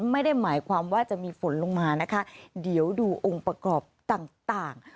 ไม่ได้หมายความว่าจะมีฝนลงมานะคะเดี๋ยวดูองค์ประกอบต่างต่าง